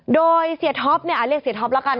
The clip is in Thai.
โดยเซียท็อปอาจเรียกเซียท็อปแล้วกัน